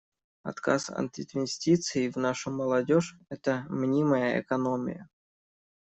Отказ от инвестиций в нашу молодежь — это мнимая экономия.